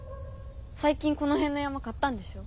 最近この辺の山買ったんでしょ。